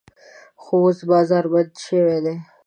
خو اوس بازار بند شوی دی.